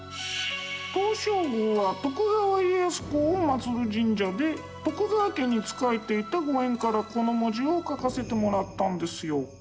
東照宮は徳川家康公をまつる神社で徳川家に仕えていたご縁からこの文字を書かせてもらったんですよ。